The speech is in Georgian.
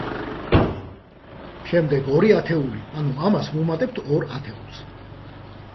შემდეგ, ორი ათეული, ანუ ამას ვუმატებთ ორ ათეულს.